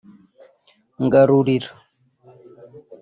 Ngarurira